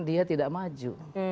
dia tidak maju